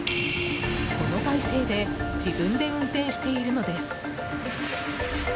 この体勢で自分で運転しているのです。